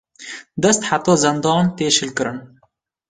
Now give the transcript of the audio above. Dest heta zendan tê şilkirin